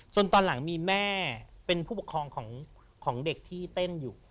ตอนหลังมีแม่เป็นผู้ปกครองของเด็กที่เต้นอยู่